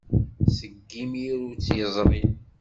Seg yimir ur tt-yeẓri.